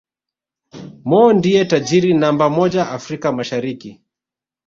Mo ndiye tajiri namba moja Afrika Mashariki